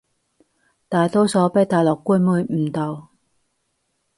大多數畀大陸官媒誤導